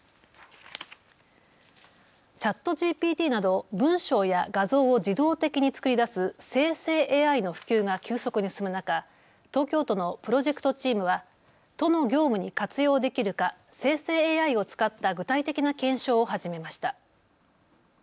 ＣｈａｔＧＰＴなど文章や画像を自動的に作り出す生成ＡＩの普及が急速に進む中、東京都のプロジェクトチームは都の業務に活用できるか生成ＡＩを使った具体的な検証を始めました。